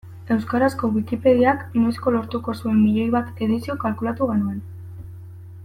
Euskarazko Wikipediak noizko lortuko zuen miloi bat edizio kalkulatu genuen.